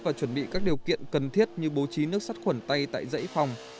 và chuẩn bị các điều kiện cần thiết như bố trí nước sắt khuẩn tay tại dãy phòng